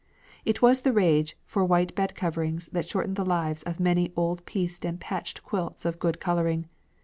It was the rage for white bed coverings that shortened the lives of many old pieced and patched quilts of good colouring.